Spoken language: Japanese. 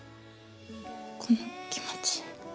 この気持ち。